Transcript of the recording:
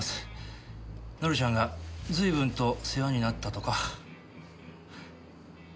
紀ちゃんが随分と世話になったとか。